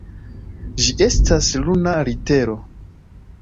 Ĝi estas luna litero.